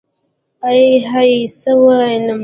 ائ هئ څه وينم.